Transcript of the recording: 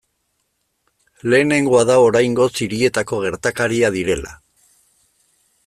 Lehenengoa da oraingoz hirietako gertakaria direla.